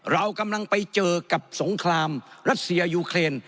เรากำลังไปเจอกับสงครามรัสเซียยูเครน